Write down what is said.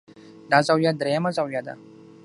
دا زاويه درېيمه زاويه ده